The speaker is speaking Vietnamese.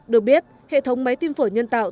được biết hệ thống máy tim phổi nhân tạo